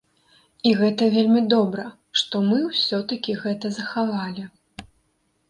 І гэта вельмі добра, што мы ўсё-такі гэта захавалі.